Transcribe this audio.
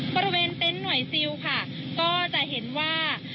บริเวณเต็นต์หน่วยซิลค่ะก็จะเห็นว่า